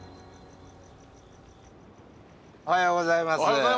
おはようございます。